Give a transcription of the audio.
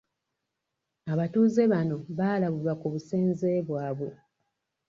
Abatuuze bano baalabulwa ku busenze bwabwe.